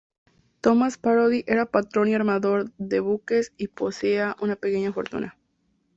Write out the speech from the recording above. Tomás Parodi era patrón y armador de buques y poseía una pequeña fortuna.